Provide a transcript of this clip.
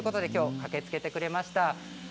駆けつけてくれました。